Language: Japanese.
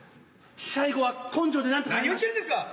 最後は根性でなんとか。何を言ってるんですか！